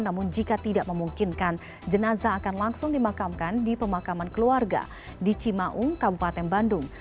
namun jika tidak memungkinkan jenazah akan langsung dimakamkan di pemakaman keluarga di cimaung kabupaten bandung